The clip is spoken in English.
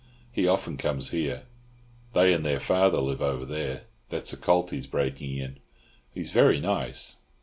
He often comes here. They and their father live over there That's a colt he's breaking in. He's very nice.